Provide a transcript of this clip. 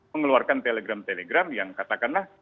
mengeluarkan telegram telegram yang katakanlah